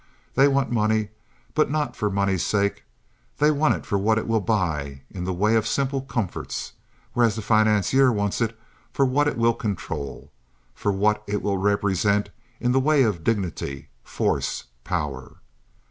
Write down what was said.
They want money, but not for money's sake. They want it for what it will buy in the way of simple comforts, whereas the financier wants it for what it will control—for what it will represent in the way of dignity, force, power.